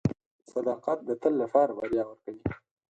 • صداقت د تل لپاره بریا ورکوي.